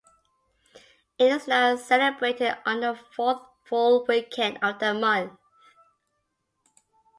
It is now celebrated on the fourth full weekend of that month.